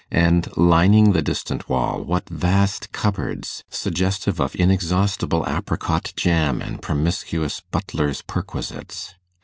and, lining the distant wall, what vast cupboards, suggestive of inexhaustible apricot jam and promiscuous butler's perquisites!